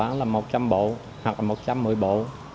kinh lá buông chùa sư có khoảng một trăm linh bộ